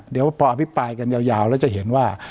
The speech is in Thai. เดี๋ยวพออภิปรายกันยาวแล้วจะเห็นว่า